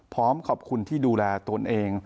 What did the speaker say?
พร้อมขอบคุณที่ดูแลตนเอง